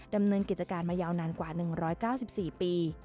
ดำเนินกิจการมายาวนานกว่า๑๙๔ปี